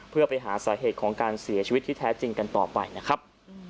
เพื่อไปหาสาเหตุของการเสียชีวิตที่แท้จริงกันต่อไปนะครับ